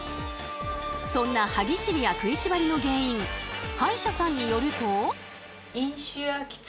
そんな歯ぎしりや食いしばりの原因歯医者さんによると。